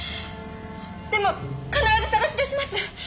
でも必ず捜し出します